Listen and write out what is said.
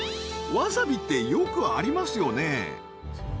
わさびってよくありますよね